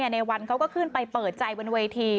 ในวันเขาก็ขึ้นไปเปิดใจบนเวที